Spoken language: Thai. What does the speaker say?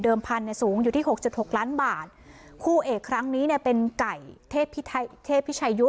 พันธุ์เนี่ยสูงอยู่ที่หกจุดหกล้านบาทคู่เอกครั้งนี้เนี่ยเป็นไก่เทพพิชัยยุ